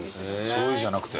しょうゆじゃなくて？